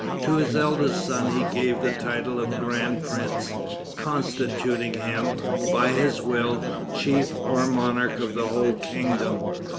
To his eldest son he gave the title of Grand Prince, constituting him, by his will, chief or monarch of the whole kingdom.